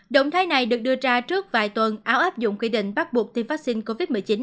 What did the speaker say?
động thái này được đưa ra trước vài tuần áo áp dụng quy định bắt buộc tiêm vaccine covid một mươi chín